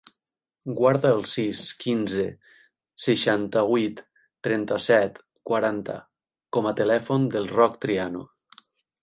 Guarda el sis, quinze, seixanta-vuit, trenta-set, quaranta com a telèfon del Roc Triano.